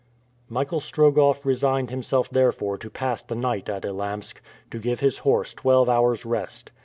Michael Strogoff resigned himself therefore to pass the night at Elamsk, to give his horse twelve hours' rest.